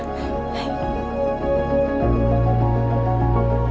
はい。